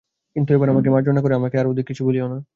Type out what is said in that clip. কিন্তু এবার আমাকে মার্জনা করো, আমাকে আর অধিক কিছু বলিয়ো না।